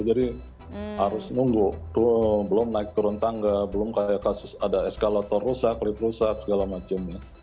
jadi harus nunggu belum naik turun tangga belum kayak kasus ada eskalator rusak klip rusak segala macamnya